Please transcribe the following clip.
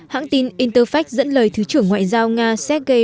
hãng tin interfax dẫn lời thứ trưởng ngoại giao nga sergei radikov cho biết